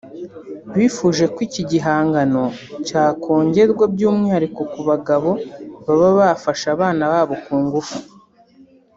bifuje ko iki gihano cyakongerwa by’umwihariko ku bagabo baba bafashe abana babo ku ngufu